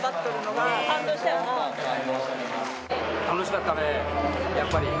楽しかった。